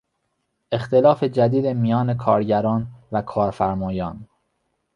اختلاف جدید میان کارگران و کارفرمایان